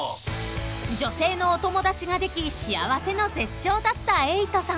［女性のお友達ができ幸せの絶頂だった瑛人さん］